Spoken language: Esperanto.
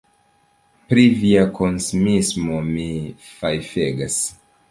Pri via konsumismo mi fajfegas!